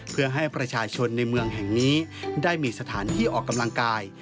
เพื่อให้ประชาชนในเมืองแห่งนี้ได้มีสถานที่ออกกำลังกาย